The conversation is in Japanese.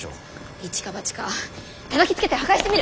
イチかバチかたたきつけて破壊してみる？